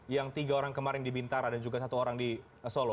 yang tiga orang kemarin di bintara dan juga satu orang di solo